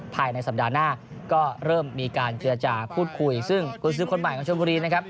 ภายในสัปดาห์หน้าก็เริ่มมีการเจรจาพูดคุยซึ่งกุญสือคนใหม่ของชนบุรีนะครับ